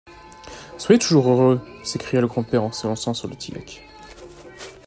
Soyez toujours heureux! s’écria le grand-père en s’élançant sur le tillac.